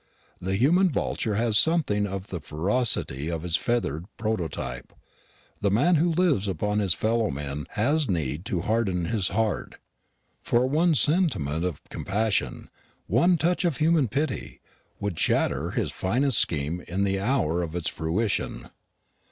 The human vulture has something of the ferocity of his feathered prototype. The man who lives upon his fellow men has need to harden his heart; for one sentiment of compassion, one touch of human pity, would shatter his finest scheme in the hour of its fruition.